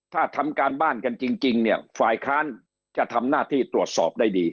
ถ้าทำการบ้านกันจริงเนี่ยฝ่ายค้านจะทำหน้าที่ตรวจสอบได้ดี